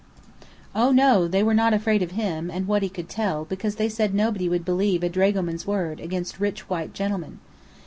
Oh, no, they were not afraid of him, and what he could tell, because they said nobody would believe a dragoman's word, against rich white gentlemen.